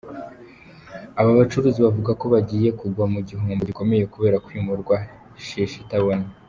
Aba bacuruzi bavuga ko bagiye kugwa mu gihombo gikomeye kubera kwimurwa shishi itabona.